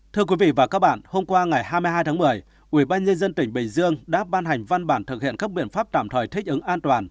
thưa quý vị và các bạn hôm qua ngày hai mươi hai tháng một mươi ubnd tỉnh bình dương đã ban hành văn bản thực hiện các biện pháp tạm thời thích ứng an toàn